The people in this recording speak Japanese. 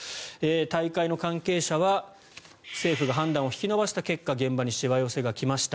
大会の関係者は政府が判断を引き延ばした結果現場にしわ寄せが来ました。